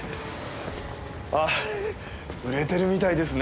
ああ売れてるみたいですねえ